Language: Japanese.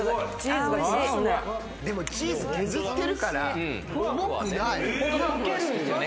でもチーズ削ってるから重くない！とけるんすよね